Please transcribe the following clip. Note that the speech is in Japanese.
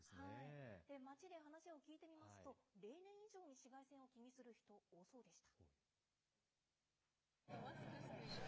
もうそんな時期街で話を聞いてみますと、例年以上に紫外線を気にする人、多そうでした。